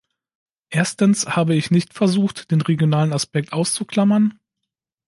Erstens habe ich nicht versucht, den regionalen Aspekt auszuklammern.